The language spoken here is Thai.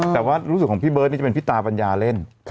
แต่ว่ารู้สึกของพี่เบิร์ตนี่จะเป็นพี่ตาปัญญาเล่น